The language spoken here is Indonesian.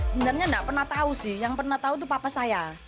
sebenarnya nggak pernah tahu sih yang pernah tahu itu papa saya